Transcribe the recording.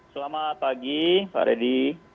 selamat pagi pak reddy